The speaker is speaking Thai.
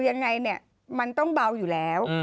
ยังไงเนี่ยมันต้องเบาอยู่แล้ว